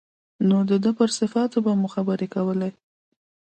نو د ده پر صفاتو به مو خبرې کولې.